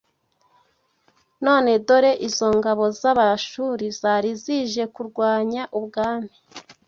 None dore izo ngabo z’Abashuri zari zije kurwanya ubwami